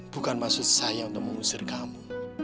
bukan maksud saya untuk mengusir kamu